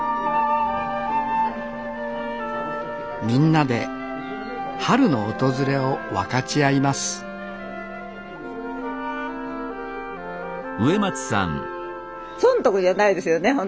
みんなで春の訪れを分かち合います損得じゃないですね。